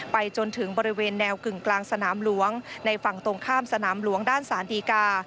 จนถึงบริเวณแนวกึ่งกลางสนามหลวงในฝั่งตรงข้ามสนามหลวงด้านสารดีกา